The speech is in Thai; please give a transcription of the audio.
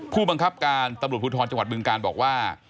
ผู้บังคับการตำรวจภูทรจังหวัดบึงการบอกว่า